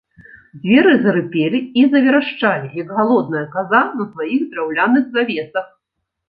Дзверы зарыпелі і заверашчалі, як галодная каза, на сваіх драўляных завесах.